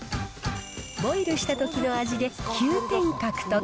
ボイルしたときの味で９点獲得。